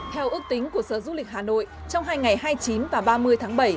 theo ước tính của sở du lịch hà nội trong hai ngày hai mươi chín và ba mươi tháng bảy